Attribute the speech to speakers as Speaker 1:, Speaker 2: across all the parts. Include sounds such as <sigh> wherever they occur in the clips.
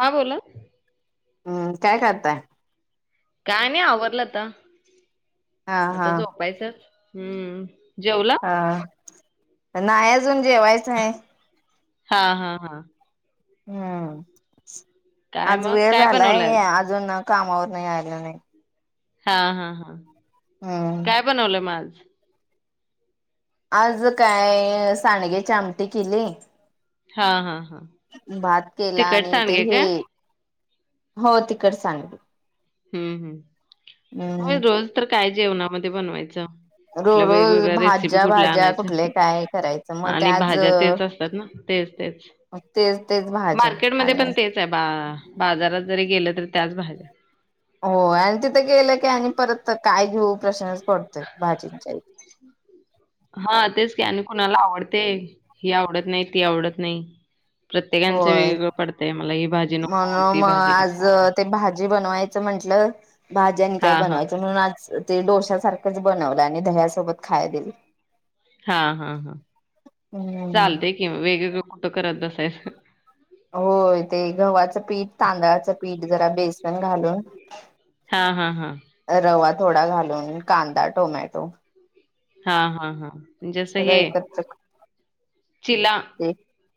Speaker 1: हा बोला...
Speaker 2: हुं काय करताय?
Speaker 1: काय नाही आवरलं आता,
Speaker 2: हा हा
Speaker 1: आता झोपायचं हुं जेवला...
Speaker 2: हा नाही अजून जेवायचं आहे..
Speaker 1: हा हा हा..
Speaker 2: हम्म
Speaker 1: काय
Speaker 2: आज
Speaker 1: मग
Speaker 2: वेळ
Speaker 1: काय बनवलं
Speaker 2: झालाय
Speaker 1: आज
Speaker 2: अजून... कामावरंन यायला नाही...
Speaker 1: हा हा हा
Speaker 2: हम्म
Speaker 1: काय बनवलं मग आज?
Speaker 2: आज काय सांडग्याची आमटी केली
Speaker 1: हा हा हा...
Speaker 2: भात केला
Speaker 1: तिखट
Speaker 2: आणि ते
Speaker 1: सांडगे
Speaker 2: हे
Speaker 1: काय
Speaker 2: हो तिखट सांडगा.....
Speaker 1: हम्म हम् होय रोज तर काय जेवणामध्ये बनवायचं
Speaker 2: रो
Speaker 1: कुठल्या
Speaker 2: रोज
Speaker 1: वेगवेगळ्या रेसिपी
Speaker 2: भाज्या
Speaker 1: कुठल्या
Speaker 2: भाज्या कुठले
Speaker 1: आणायच्या
Speaker 2: काय करायचं मग ते
Speaker 1: आणि
Speaker 2: आज
Speaker 1: भाज्या तेच असतात ना तेच तेच
Speaker 2: तेच तेच भाज्या
Speaker 1: मार्केटमध्येध्ये
Speaker 2: आणि
Speaker 1: पण तेच आहे बा.. बाजारात जरी गेलं तरी त्याच भाज्या..
Speaker 2: हो आणि तिथं गेलं की आणि परत काय... हो काय घेऊ प्रश्नच पडतोय भाजींच्या...
Speaker 1: हा तेच की आणि कुणाला आवडते ही आवडत नाही ती आवडत नाही... प्रत्येकांचं
Speaker 2: होय
Speaker 1: वेगवेगळं पडतय मला ही भाजी नको
Speaker 2: म्हणून
Speaker 1: ती
Speaker 2: मग
Speaker 1: भाजी नको..
Speaker 2: जर भाज्यानी काय
Speaker 1: हा हा
Speaker 2: बनवायचं म्हणून आज... ते डोश्या सारखंच बनवलं आणि दह्यासोबत खाया दिलं..
Speaker 1: हा- हा- हा
Speaker 2: हम्म.
Speaker 1: चालतय कि वेगवेगळ कुठं करत बसायचं..
Speaker 2: होय ते गव्हाचं पीठ तांदळाचं पीठ जरा बेसन घालून...
Speaker 1: हा -हा -हा...
Speaker 2: रवा थोडा घालून कांदा टोमॅटो...
Speaker 1: हा -हा -हा जसं
Speaker 2: सगळं
Speaker 1: हे
Speaker 2: एकत्र
Speaker 1: चिला...
Speaker 2: ते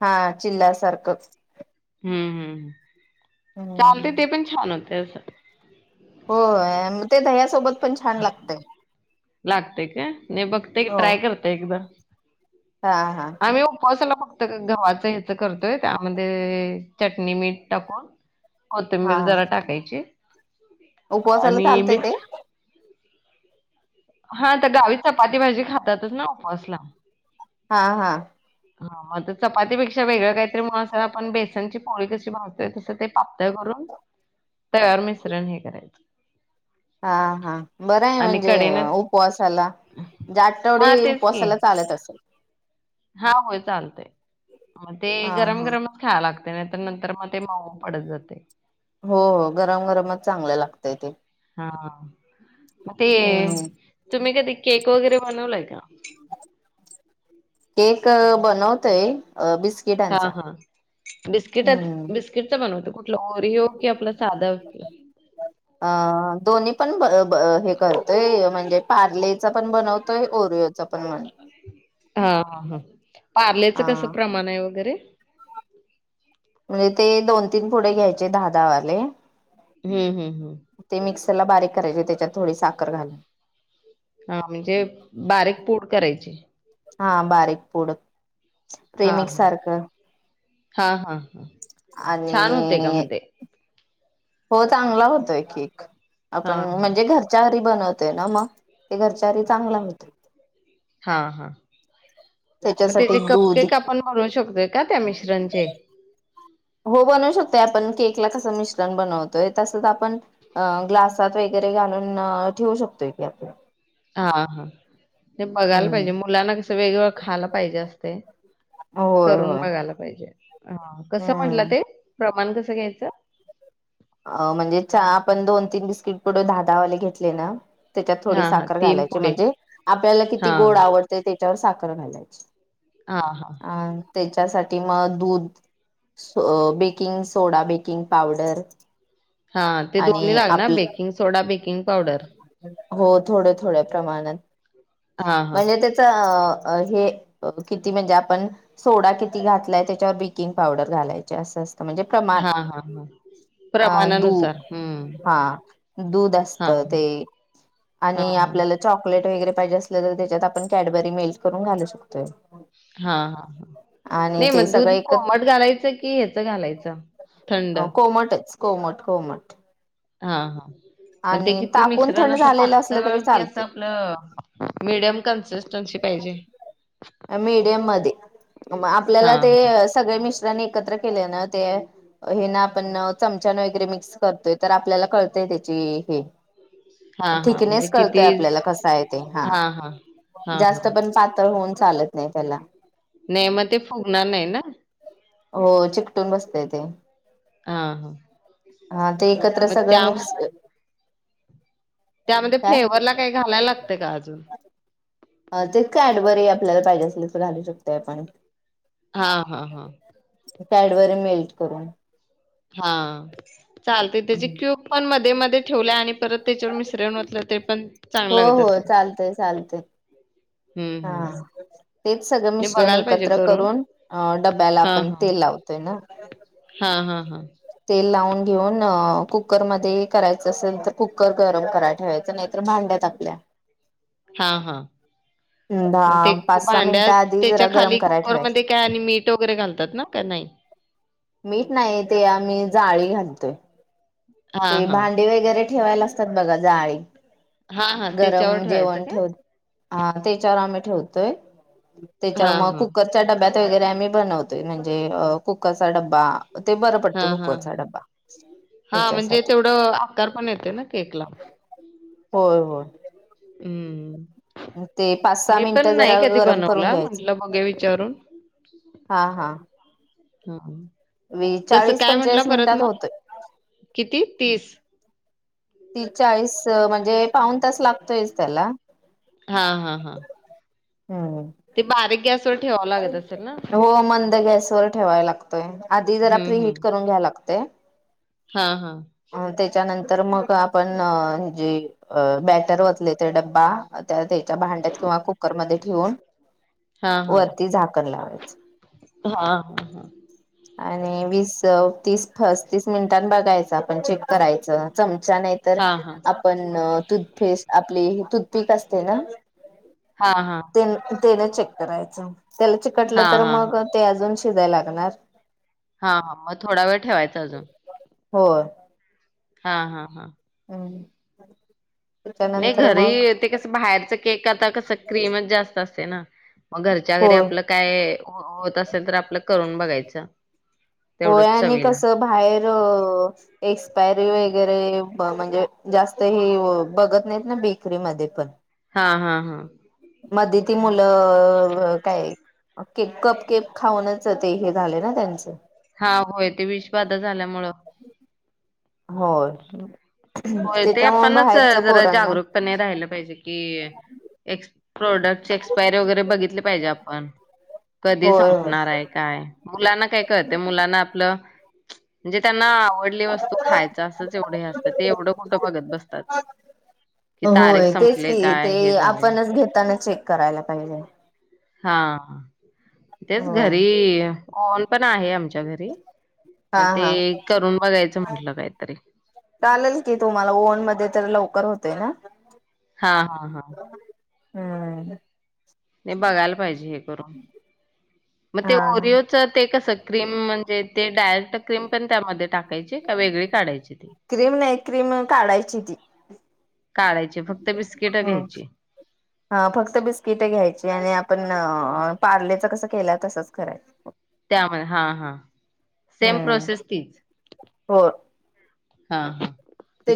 Speaker 2: हा चिल्लासारखंच <inaudible>
Speaker 1: हम्म -हम्म <inaudible> चालते
Speaker 2: हम्म.
Speaker 1: ते पण छान होते अस
Speaker 2: होय ते दयासोबत
Speaker 1: <inaudible> लागतय का नाही बघतेय क
Speaker 2: हो
Speaker 1: ट्राय करते एकदा
Speaker 2: हा हा.
Speaker 1: <inaudible> आम्ही उपासाला फक्त गव्हाच ह्याच करतोय त्यामध्ये चटणी मीठ टाकून
Speaker 2: हा
Speaker 1: कोथिंबीर जरा टाकायची
Speaker 2: उपवासाला
Speaker 1: आणि
Speaker 2: चालतय ते
Speaker 1: मिक्स
Speaker 2: <inaudible>
Speaker 1: हा तर गावी चपाती भाजी खातातच ना उपसला
Speaker 2: हा- हा
Speaker 1: हा मग चपातीपेक्षा वेगळं काहीतरी मसाला असं आपण बेसनची पोळी कशी भाजतोय तसं ते पातळ करुन <inaudible> तयार मिश्रण हे करायचं
Speaker 2: हा- हा बरं आहे
Speaker 1: आणि
Speaker 2: म्हणजे
Speaker 1: कडेनं
Speaker 2: उपवासाला ज आठवडी उपवासाला चालत असेल
Speaker 1: हा होय चालतय मग ते
Speaker 2: हा
Speaker 1: गरम
Speaker 2: हा.
Speaker 1: गरमच खा लागतय नंतर मग ते माऊ पडत जातय
Speaker 2: हो- हो गरम गरमच चांगलं लागतय ते
Speaker 1: हां, ते
Speaker 2: हम्म.
Speaker 1: तुम्ही कधी केक वगैरे बनवलाय का?
Speaker 2: केक बनवताय अ बिस्किटांचा
Speaker 1: हां, हां.
Speaker 2: <inaudible> हम्म
Speaker 1: ्ओलोरी हो कि आपल साध बिस्किट
Speaker 2: अ दोन्ही पण <inaudible> हे करतोय म्हणजे पार्लेचा पण बनवतोय ओर
Speaker 1: <inaudible> हा ह पारलेच कस
Speaker 2: हा
Speaker 1: प्रमाण आहे वगैरे
Speaker 2: म्हणजे ते दोन तीन पुढे घ्यायचे दहा -दहा वाले
Speaker 1: हम् हम्
Speaker 2: ते मिक्सरला बारीक करायचे त्याच्यात थोडी साखर घालून
Speaker 1: हा म्हणजे बारीक पोड करायची
Speaker 2: हा <inaudible> बारीक पुड
Speaker 1: हा
Speaker 2: प्रेमिक
Speaker 1: हा
Speaker 2: सारखं
Speaker 1: हा -हा- हा छान होतय का
Speaker 2: आणि
Speaker 1: मग ते
Speaker 2: हो चांगला होतोय केक
Speaker 1: हा
Speaker 2: आपण
Speaker 1: हा
Speaker 2: म्हणजे घरच्या हरी बनवते ना मग ते घरच्या घरी चांगला होत
Speaker 1: हा -हा मग
Speaker 2: त्याच्यासाठी
Speaker 1: त्याचे
Speaker 2: दूध
Speaker 1: कपकेक आपण बनवु शकतो का त्या मिश्रणचे
Speaker 2: हो बनवू शकतोय आपण केकला कस मिश्रण बनवतोय तसच आपण ग्लासात वैगर ून ठेवू शकतोय की आपण
Speaker 1: हा हा ते बघायला
Speaker 2: हम्म
Speaker 1: पाहिजे मुलांना कसं वेगवेगळं खायला पाहिजे असते
Speaker 2: होय
Speaker 1: करून
Speaker 2: होय
Speaker 1: बघायला पाहिजे हा कसं म्हटलं
Speaker 2: हम्म
Speaker 1: ते प्रमाण कसं घ्यायचं
Speaker 2: अ म्हणजे आपण दोन तीन बिस्किट पुढे धादाावाले घेतले ना त्याच्यात थोडी
Speaker 1: हा हा
Speaker 2: साखर
Speaker 1: तीन
Speaker 2: घालायची
Speaker 1: पुढे
Speaker 2: म्हणजे आपल्याला
Speaker 1: हा
Speaker 2: किती गोड आवडते त्याच्यावर साखर घालायची
Speaker 1: हा हा
Speaker 2: अं त्याच्यासाठी म दूध बेकिंग सोडा बेकिंग पावडर
Speaker 1: हा ते दोन्ही
Speaker 2: आणि
Speaker 1: लागणार
Speaker 2: आपल
Speaker 1: बेकिंग सोडा बेकिंग पावडर
Speaker 2: हो थोड्या थोड्या प्रमाणात
Speaker 1: हा हा
Speaker 2: म्हणजे त्याच हे किती म्हणजे आपण सोडा किती घातलाय त्याच्यावर बेकिंग पावडर घालायचे असं
Speaker 1: हा हा हा
Speaker 2: अं दू
Speaker 1: प्रमाणानुसार हम्म
Speaker 2: हा दूध असत
Speaker 1: हा हा
Speaker 2: ते
Speaker 1: हा
Speaker 2: आणि
Speaker 1: हा
Speaker 2: आपल्याला चॉकलेट वगैरे पाहिजे असलं तर त्याच्यात आपण कॅडबरी मेल्ट करून घालू शकतोय
Speaker 1: हा हा ह
Speaker 2: आणि
Speaker 1: नाही
Speaker 2: ते
Speaker 1: मग
Speaker 2: सगळं
Speaker 1: दूध
Speaker 2: एकत
Speaker 1: कोमट घालायचं की ह्याचं घालायचं थंड
Speaker 2: अ कोमटच कोमट कोमट
Speaker 1: हा हा मग
Speaker 2: आणि
Speaker 1: किती
Speaker 2: तापून
Speaker 1: मिश्रण
Speaker 2: थंड
Speaker 1: अस
Speaker 2: झालेलं असलं
Speaker 1: पातळ
Speaker 2: तरी
Speaker 1: कि अस
Speaker 2: चालते
Speaker 1: आपलं मिडयम
Speaker 2: मीडियम मध्ये
Speaker 1: हा
Speaker 2: आपल्याला
Speaker 1: हा
Speaker 2: ते सगळे मि एकत्र के ते आपण चमचा वगैरे मिक्स करतोय तर आपल्याला कळ त्याची हे
Speaker 1: हा हा म्हणजे
Speaker 2: थीकनेस कळतोय
Speaker 1: किती
Speaker 2: आपल्याला कस आहे ते हा
Speaker 1: हा
Speaker 2: जास्त
Speaker 1: हा
Speaker 2: पण पातळ होऊन चालत नाही त्याला
Speaker 1: नाही मग ते फुगणार नाही ना
Speaker 2: हो चिकटून बसतेय ते
Speaker 1: हा हा
Speaker 2: <unintelligible> हा ते एकत्र
Speaker 1: मग
Speaker 2: सगळं
Speaker 1: त्या
Speaker 2: मिक्स
Speaker 1: त्यामध्ये
Speaker 2: काय
Speaker 1: फ्लेवरला काही घालायला लागत का अजून
Speaker 2: ते कॅडबरी आपल्याला पाहिजे असेल तर घालू शकतय आपण
Speaker 1: हा हा हा
Speaker 2: कॅडबरी मेल्ट करून
Speaker 1: हा चालते त्याची क्यूब पण मध्ये मध्ये ठेवले आणि परत त्याच्यावर मिश्रण ओतलं ते पण चांगल
Speaker 2: हो
Speaker 1: लागत
Speaker 2: हो
Speaker 1: असल
Speaker 2: चालतय चालतय हा ते सगळं
Speaker 1: नाही
Speaker 2: मिश्रण
Speaker 1: बघायला पाहिजे
Speaker 2: एकत्र करून डब्याला
Speaker 1: हा
Speaker 2: आपण
Speaker 1: हा
Speaker 2: तेल लावतोय ना
Speaker 1: हा हा हा
Speaker 2: ते लावून घेऊन कुकर मध्ये करायचं असेल तर कुकर गरम कराय ठेवायच नाहीर भांड्या टाकल्या
Speaker 1: हा हा मग ते
Speaker 2: दहा
Speaker 1: एक
Speaker 2: पाच सहा मिनिटं
Speaker 1: भांड्यात
Speaker 2: आधी
Speaker 1: त्याच्या
Speaker 2: जरा गरम
Speaker 1: खाली
Speaker 2: करायला ठेवायच
Speaker 1: कुकरमध्येध्ये काय आणि मीठ वगैरे घालतात ना काय नाही नाही
Speaker 2: मीठ नाही ते आम्ही जाळी घालतोय
Speaker 1: हा
Speaker 2: ते
Speaker 1: हा
Speaker 2: भांडी वगैरे ठेवायला असतात बघ जाळी
Speaker 1: हा हा त्याच्यावर
Speaker 2: गरम
Speaker 1: ठेवायचं
Speaker 2: जेवण
Speaker 1: काय
Speaker 2: ठेव हा त्याच्यावर आम्ही ठेवतोय त्याच्या
Speaker 1: हा
Speaker 2: मग
Speaker 1: हा
Speaker 2: कुकरच्या डब्या वगैरे आम्ही बनवतोय म्हणजे कुकरचा डब्बा ते बरं पडते
Speaker 1: हा हा
Speaker 2: कुकरचा
Speaker 1: हा
Speaker 2: डब्बा
Speaker 1: हा म्हणजे
Speaker 2: ह्याच्यासाठी
Speaker 1: तेवढं आकार पण येतोय ना केकला
Speaker 2: होय होय
Speaker 1: हम्म
Speaker 2: ते पाच सहा
Speaker 1: मी
Speaker 2: मिनिट
Speaker 1: पण नाही
Speaker 2: जरा
Speaker 1: कधी
Speaker 2: गरम करून
Speaker 1: बनवला म्हंटलं
Speaker 2: घ्यायचं
Speaker 1: बघे विचारून
Speaker 2: हा हा
Speaker 1: ह
Speaker 2: वी
Speaker 1: कस
Speaker 2: चाळीस
Speaker 1: काय
Speaker 2: पंचेचाळीस
Speaker 1: म्हटलं परत
Speaker 2: मिनिटात
Speaker 1: मग
Speaker 2: होतोय.
Speaker 1: किती तीस
Speaker 2: ती चाळीस म्हणजे पाऊन तास लागतोयच त्याला
Speaker 1: हा हा हा
Speaker 2: हम्म.
Speaker 1: ते बारीक गॅस
Speaker 2: हो मंद गॅसवर ठेवाय लागत आधी जरा प्री हिट करून घ्या लागतय
Speaker 1: हा हा
Speaker 2: अ त्याच्यानंतर मग आपण जे बॅटर वतले ते डब्बा त्या त्याच्या भांड्यात किंवा कुकरमध्ये ठेवून वरती झाकण लावायचं
Speaker 1: हा हा
Speaker 2: आणि वीस तीस पस्तीस मिनिटां बघायचं आपण चेक करायचं चम चमचा नाही
Speaker 1: हां, हां.
Speaker 2: तरआपण तुथपेस् आपली तूथपीक असते ना
Speaker 1: हा हा
Speaker 2: ते तेन चेक करायचं त्याला चिकटलं
Speaker 1: हां,
Speaker 2: तर
Speaker 1: हां,
Speaker 2: मग
Speaker 1: हां.
Speaker 2: ते अजून शिजायला लागणार
Speaker 1: हा हा मग थोडा वेळ ठेवायचा अजून
Speaker 2: होय
Speaker 1: हा हा हा.
Speaker 2: आणि
Speaker 1: नाही घरी ते कस बाहेरच केक आता कस क्रीमच जास्त असतय ना. मग घरच्या घरीे
Speaker 2: होय
Speaker 1: आपलं काय होत असेल तर आपलं करून बघायचं.
Speaker 2: होय
Speaker 1: तेवढंच
Speaker 2: आणि
Speaker 1: चवीला.
Speaker 2: कस बाहेर एक्सपायरी वगैरे म्हणजे जास्त हे बघत नाहीत ना बेकरीमध्ये पण
Speaker 1: हा हा हा.
Speaker 2: मध्ये ती मुलं काय केक कप केप खाऊनच ते हे झाले ना त्यांच.
Speaker 1: हा. होय ते विष बाधा झाल्यामुळं.
Speaker 2: होय.
Speaker 1: होय. ते
Speaker 2: त्याच्यामुळे
Speaker 1: आपणच
Speaker 2: बाहेरच
Speaker 1: जरा
Speaker 2: पोरांना
Speaker 1: जागरूकपणे राहिलं पाहिजे की प्रोडक्टची एक्सपायरी वगैरे बघितली पाहिजे आपण. कधी
Speaker 2: होय
Speaker 1: संपणार
Speaker 2: होय
Speaker 1: आहे, काय मुलांना काय कळतय मुलांना आपलं म्हणजे त्यांना आवडली वस्तू खायच असच एवढे असतं ते एवढं कोठं बघत बसतात? कि तारीख
Speaker 2: होय. तेच
Speaker 1: संपले
Speaker 2: की ते
Speaker 1: काय हे झाले
Speaker 2: आपणच घेताना चेक करायला पाहिजे.
Speaker 1: हा. तेच
Speaker 2: हो
Speaker 1: घरी ओवन पण आहे आमच्या घरी. मग
Speaker 2: हा
Speaker 1: ते
Speaker 2: हा
Speaker 1: करून बघायचं म्हटलं काहीतरी
Speaker 2: चालेल की तुम्हाला ओव न मध्ये तर लवकर होतय ना?
Speaker 1: हा हा हा.
Speaker 2: हम्म.
Speaker 1: नाही बघायला पाहिजे हे करून मग ते
Speaker 2: हा
Speaker 1: ओरिओचं ते कसं क्रीम म्हणजे ते डायरेक्ट क्रीम पण त्यामध्ये टाक टाकायची का वेगळे काढायची ती?
Speaker 2: क्रीम नाही क्रीम काढायची ती.
Speaker 1: काढायचे फक्त बिस्किट घ्यायची.
Speaker 2: ह फक्त बिस्किट घ्यायची आणि आपण पार्लेच कसं केलं तसच करायच.
Speaker 1: त्यामध्ये हा हा सेम
Speaker 2: हम्म.
Speaker 1: प्रोसेस तीच.
Speaker 2: हो
Speaker 1: हा हा.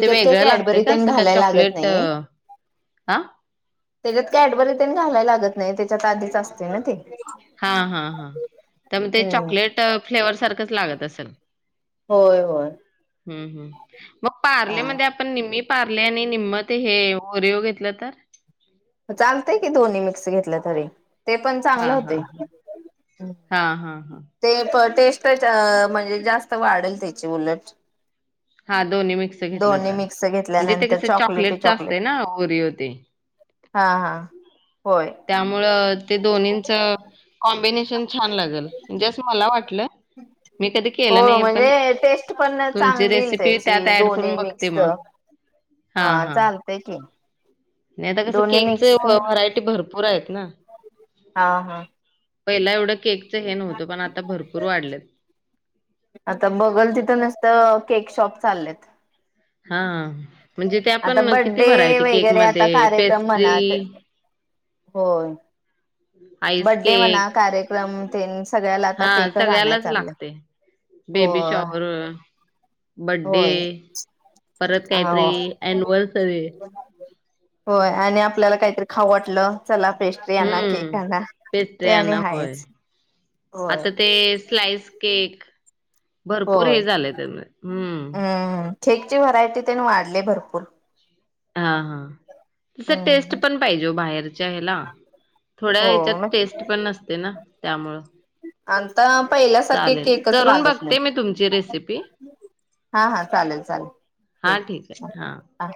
Speaker 1: ते
Speaker 2: काही
Speaker 1: वेगळं लागतय
Speaker 2: कॅडबरी
Speaker 1: का
Speaker 2: तेन
Speaker 1: असं का
Speaker 2: घालायला लागत
Speaker 1: चॉकलेट
Speaker 2: नाही.
Speaker 1: ह
Speaker 2: त्याच्यात कॅडबरी तेन घालाय लागत नाही त्याच्यात आधीच असते ना ते.
Speaker 1: हा हा हा. मग ते
Speaker 2: हम्म.
Speaker 1: चॉकलेट फ्लेवर सारख लागत असेल.
Speaker 2: होय होय.
Speaker 1: हम्म हं मग
Speaker 2: हा
Speaker 1: पार्लेमध्ये आपण निम्मी पारले आणि निम्म ते हे ओरीओ घेतलं तर?
Speaker 2: चालतंय की दोन्ही मिक्स घेतलं तरी. ते पण चांगले
Speaker 1: हा हा
Speaker 2: होते,
Speaker 1: हा हा हा हा
Speaker 2: ते पण टेस्टच म्हणजे जास्त वाढेल त्याची उलट.
Speaker 1: हा दोन्ही मिक्स घेतलं
Speaker 2: दोन्ही
Speaker 1: तर.
Speaker 2: मिक्स
Speaker 1: म्हणजे ते
Speaker 2: घेतल्यानंतर
Speaker 1: कसं
Speaker 2: चॉकलेटी
Speaker 1: चॉकलेटचं असते
Speaker 2: चॉकलेट
Speaker 1: ना, ओरीओ ते.
Speaker 2: हा हा. होय
Speaker 1: त्यामुळं ते दोन्हींच कॉम्बिनेश छान लागलं, म्हणजे असं मला वाटलं. मी कधी
Speaker 2: हो
Speaker 1: केलं नाही पण
Speaker 2: म्हणजे टेस्ट पण
Speaker 1: तुमची
Speaker 2: चांगली
Speaker 1: रेसिपी त्यात
Speaker 2: त्याची
Speaker 1: ऍड
Speaker 2: दोन्ही
Speaker 1: करून बघते
Speaker 2: मिक्स.
Speaker 1: मग
Speaker 2: हा चालतंय की.
Speaker 1: नाही आता कसं
Speaker 2: दोन्ही
Speaker 1: केकचं
Speaker 2: मिक्स
Speaker 1: व्ह व्हरायटी भरपूर हायेत.
Speaker 2: हा हा.
Speaker 1: पहिला एवढं केक ते हे नव्हत, पण आता भरपूर वाढलायत.
Speaker 2: आता बघल तिथं नुसतं केक शॉप चाललेत.
Speaker 1: हां म्हणजे ते
Speaker 2: आता
Speaker 1: आपण किती
Speaker 2: बड्डे
Speaker 1: व्हरायटी
Speaker 2: वगैरे आता
Speaker 1: केकमध्ये,
Speaker 2: कार्यक्रम
Speaker 1: पेस्ट्री
Speaker 2: म्हणा होय.
Speaker 1: आईस
Speaker 2: बड्डे म्हणा,
Speaker 1: केक
Speaker 2: कार्यक्रम तेनच सगळ्याला आता
Speaker 1: हा
Speaker 2: केकच आणायला
Speaker 1: सगळ्यालाच
Speaker 2: चाललंय,
Speaker 1: लागते बेबी
Speaker 2: होय
Speaker 1: शॉवर बर्थडे
Speaker 2: होय
Speaker 1: परत
Speaker 2: आंव
Speaker 1: काहीतरी अॅनिव्हर्सरी
Speaker 2: होय आणि आपल्याला काहीतरी खाऊ वाटलं चला. पेस्ट्री आणा, केक
Speaker 1: हम्म.
Speaker 2: आणा, ते आणि
Speaker 1: पेस्ट्र्यांना होय.
Speaker 2: हायचं.
Speaker 1: आता ते स्लाइस केक. भरपूर
Speaker 2: होय
Speaker 1: हे झालंय तेज हम्म.
Speaker 2: खेकची व्हरायटी, त्यांनी वाढले भरपूर.
Speaker 1: हां हां तसं टेस्ट
Speaker 2: हम्म
Speaker 1: पण पाहिजे हो बाहेरच्या ह्याला. थोड्या
Speaker 2: हो
Speaker 1: ह्याच्यात
Speaker 2: मग
Speaker 1: टेस्ट पण नसते ना त्यामुळं.
Speaker 2: अं पहिल्यासारखे
Speaker 1: चालेल.
Speaker 2: केकच
Speaker 1: करून
Speaker 2: लागत नाय.
Speaker 1: बघते मी तुमची रेसिपी.
Speaker 2: हां हां चालेल चालेल हे
Speaker 1: हां ठीक
Speaker 2: हं
Speaker 1: आहे. हां.
Speaker 2: आ